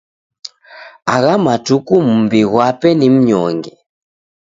Agha matuku mumbi ghwape ni mnyonge.